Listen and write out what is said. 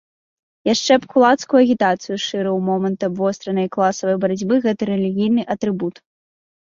Яшчэ б кулацкую агітацыю шырыў у момант абвостранай класавай барацьбы гэты рэлігійны атрыбут.